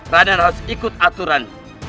raden harus ikut aturan